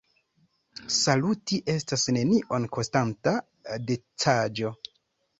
Saluti estas nenion kostanta decaĵo.